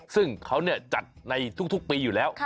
ซึ่งเขาจัดในทุกปีอยู่แล้ว